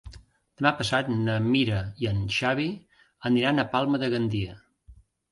Demà passat na Mira i en Xavi aniran a Palma de Gandia.